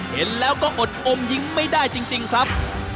เห็นแล้วก็อดอมยิ้มไม่ได้จริงครับ